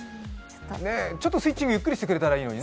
ちょっとスイッチングゆっくりしてくれたらいいのにね。